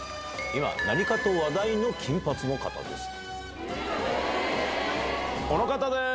今何かと話題の金髪の方です。